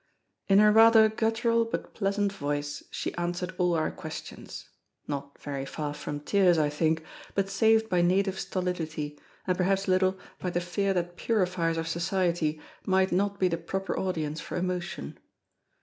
In her rather guttural but pleasant voice she answered all our questions—not very far from tears, I think, but saved by native stolidity, and perhaps a little by the fear that purifiers of Society might not be the proper audience for emotion.